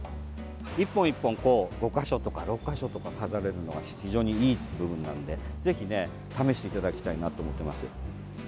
１本、１本こう５か所とか６か所とか飾れるのは非常にいい部分なのでぜひ、試していただきたいなと思っています。